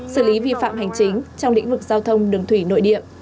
xử lý vi phạm hành chính trong lĩnh vực giao thông đường thủy nội địa